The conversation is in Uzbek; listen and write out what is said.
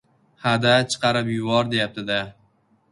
— Ha-da, chiqarib yubor, deyapti-da?